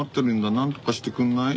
なんとかしてくんない？